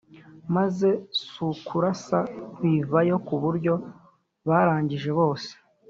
maze sukurasa bivayo kuburyo barangije bose